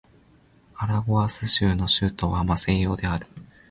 アラゴアス州の州都はマセイオである